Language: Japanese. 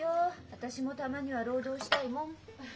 私もたまには労働したいもん。